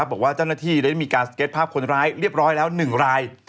บอกว่าเจ้าหน้าที่ได้มีการสเก็ตภาพคนร้ายเรียบร้อยแล้ว๑ราย